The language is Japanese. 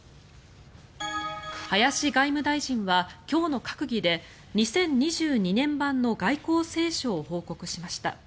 林外務大臣は今日の閣議で２０２２年版の外交青書を報告しました。